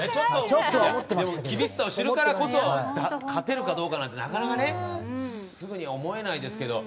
でも、厳しさを知るからこそ勝てるかどうかなんて、なかなかすぐに思えないですけど。